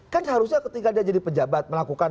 kan harusnya ketika dia jadi pejabat melakukan